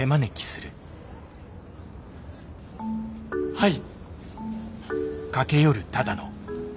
はい。